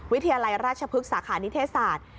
วิทยาลัยราชพฤกษาขานิเทศศาสตร์